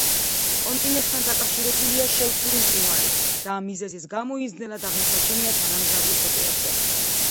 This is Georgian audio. კონტინენტთან დაკავშირებულია შელფური მყინვარით, და ამ მიზეზის გამო ის ძნელად აღმოსაჩენია თანამგზავრულ ფოტოებზე.